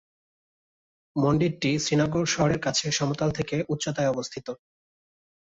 মন্দিরটি শ্রীনগর শহরের কাছে সমতল থেকে উচ্চতায় অবস্থিত।